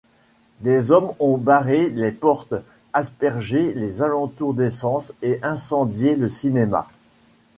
Des hommes ont barré les portes, aspergé les alentours d'essence et incendié le cinéma.